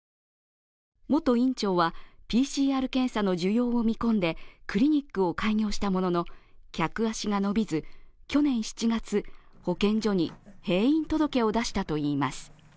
元院長は、ＰＣＲ検査の需要を見込んでクリニックを開業したものの、客足が伸びず、去年７月保健所に閉院届を出したといいます。